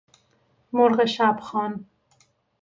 مرغ شب خوان